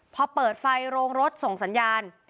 พอเปิดไฟโรงรถส่งสัญญาณ